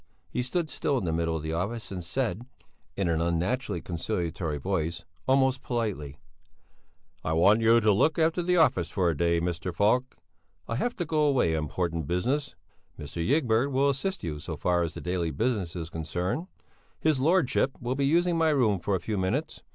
He stood still in the middle of the office and said, in an unnaturally conciliatory voice, almost politely: "I want you to look after the office for a day, Mr. Falk. I have to go away on important business. Mr. Ygberg will assist you so far as the daily business is concerned. His Lordship will be using my room for a few minutes.